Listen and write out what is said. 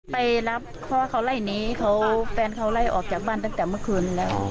ไปรับเพราะว่าเขาไล่นี้เขาแฟนเขาไล่ออกจากบ้านตั้งแต่เมื่อคืนแล้ว